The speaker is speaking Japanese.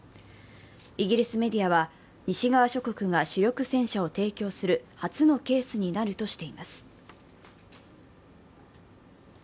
イギリスメディアは、西側諸国が主力戦車を提供する初のケースになるとしています。